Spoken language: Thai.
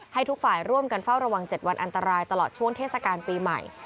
ให้ทุกฝ่ายร่วมกันเฝ้าระวัง๗วันอันตรายตลอดช่วงเทศกาลปีใหม่